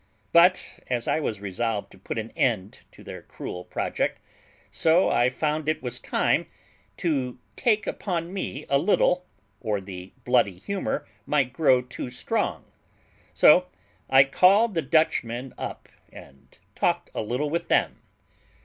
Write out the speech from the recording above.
But, as I was resolved to put an end to their cruel project, so I found it was time to take upon me a little, or the bloody humour might grow too strong; so I called the Dutchmen up, and talked a little with them.